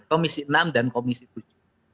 komisi enam dan komisi tujuh